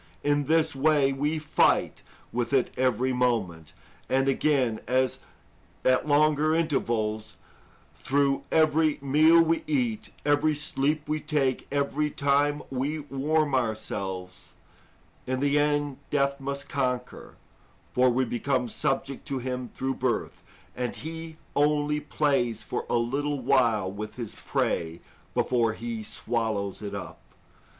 In this way we fight with it every moment, and again, at longer intervals, through every meal we eat, every sleep we take, every time we warm ourselves, &c. In the end, death must conquer, for we became subject to him through birth, and he only plays for a little while with his prey before he swallows it up.